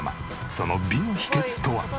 その美の秘訣とは？